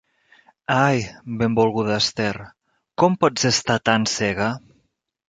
Ai, benvolguda Esther, com pots estar tan cega?